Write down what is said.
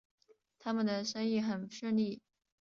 他们的生意很顺利